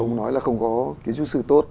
ông nói là không có kiến trúc sư tốt